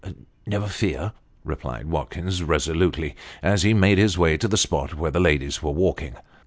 " Never fear," replied Watkins, resolutely, as he made his way to the spot where the ladies were walking.